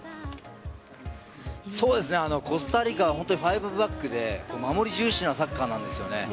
コスタリカは５バックで守り重視なサッカーなんですよね。